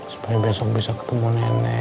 supaya besok bisa ketemu nenek